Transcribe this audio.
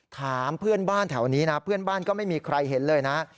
ถามเพื่อนบ้านแถวนี้นะเพื่อนบ้านก็ไม่มีใครเห็นเลยนะ